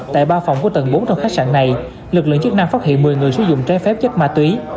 tại ba phòng của tầng bốn trong khách sạn này lực lượng chức năng phát hiện một mươi người sử dụng trái phép chất ma túy